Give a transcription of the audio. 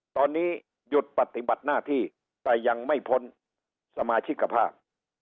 ตอนนี้หยุดปฏิบัติหน้าที่แต่ยังไม่พ้นสมาชิกภาพ